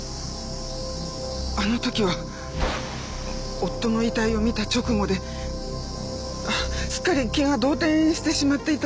あの時は夫の遺体を見た直後ですっかり気が動転してしまっていたんです。